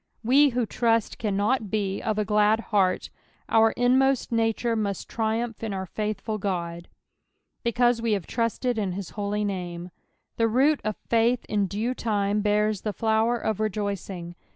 We, who trust, cannot but be of a glad heart, our inmost nature must triumph in our fnitliful God. " Beeaute ite hate trusted in hit holy saiM." The root of faith in due lime bean the flower of rejoicing.